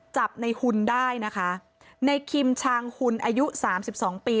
จับในหุ่นได้นะคะในคิมชางหุ่นอายุสามสิบสองปี